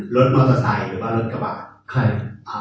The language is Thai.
รถมอเตอร์ไซด์หรือรถกระบาด